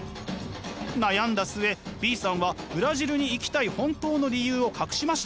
悩んだ末Ｂさんはブラジルに行きたい本当の理由を隠しました。